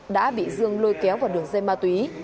đã bị dương lôi kéo vào đường dây ma túy